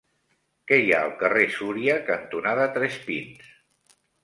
Què hi ha al carrer Súria cantonada Tres Pins?